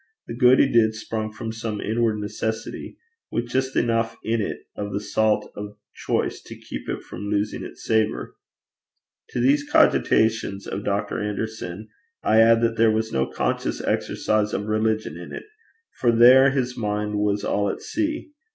The good he did sprung from some inward necessity, with just enough in it of the salt of choice to keep it from losing its savour. To these cogitations of Dr. Anderson, I add that there was no conscious exercise of religion in it for there his mind was all at sea.